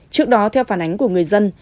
trước đó theo phản ánh của người dân